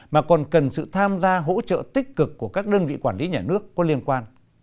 mà còn cần sự tham gia hỗ trợ tích cực của các đơn vị quản lý nhà nước có liên quan